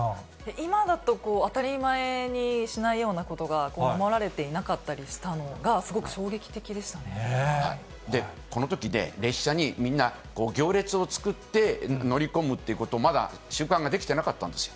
今だとこう、当たり前にしないようなことが守られていなかったりしたのが、このとき、列車にみんな、行列を作って乗り込むってこと、まだ習慣ができてなかったんですよ。